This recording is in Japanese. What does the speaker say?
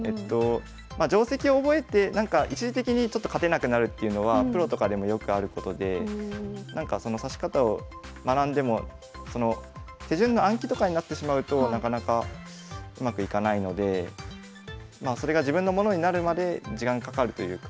定跡を覚えて一時的に勝てなくなるっていうのはプロとかでもよくあることで指し方を学んでも手順の暗記とかになってしまうとなかなかうまくいかないのでまあそれが自分のものになるまで時間かかるというか。